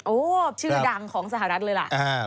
ชื่อดังของสหรัฐเลยล่ะ